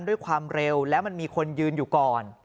ด้วยความเร็วแล้วมันมีคนยืนอยู่ก่อน